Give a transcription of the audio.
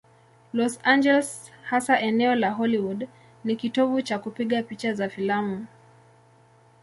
Los Angeles, hasa eneo la Hollywood, ni kitovu cha kupiga picha za filamu.